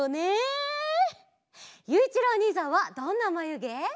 ゆういちろうおにいさんはどんなまゆげ？